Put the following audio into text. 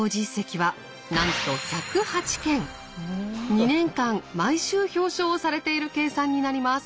２年間毎週表彰をされている計算になります。